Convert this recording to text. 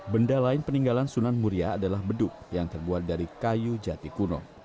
benda lain peninggalan sunan muria adalah beduk yang terbuat dari kayu jati kuno